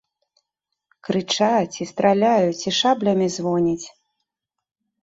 Крычаць, і страляюць, і шаблямі звоняць.